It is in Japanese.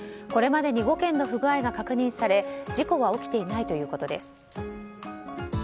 これまでに５件の不具合が確認され事故は起きていないということです。